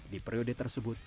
di periode tersebut